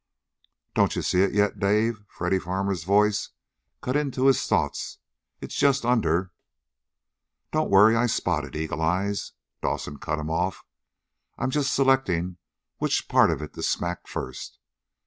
"Don't you see it yet, Dave?" Freddy Farmer's voice cut into this thoughts. "It's just under " "Don't worry; I spot it, eagle eyes!" Dawson cut him off. "I'm just selecting which part of it to smack first.